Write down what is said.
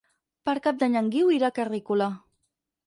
Per Cap d'Any en Guiu irà a Carrícola.